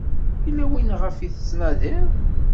Yella win ɣef i tettnadiḍ?